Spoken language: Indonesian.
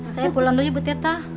saya pulang dulu ya bu teta